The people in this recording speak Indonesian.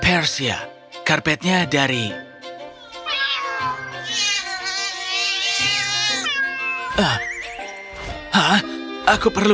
ada seratus dua puluh dua